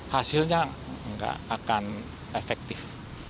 hasilnya nggak akan efektif